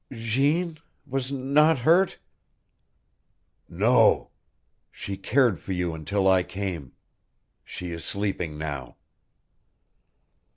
"Jeanne was not hurt?" "No. She cared for you until I came. She is sleeping now."